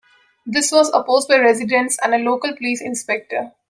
This was opposed by residents and a local police inspector.